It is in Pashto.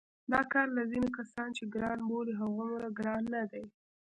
دا کار لکه ځینې کسان چې ګران بولي هغومره ګران نه دی.